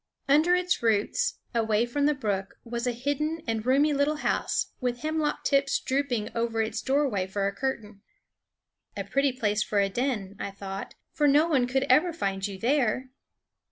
Under its roots, away from the brook, was a hidden and roomy little house with hemlock tips drooping over its doorway for a curtain. "A pretty place for a den," I thought; "for no one could ever find you there."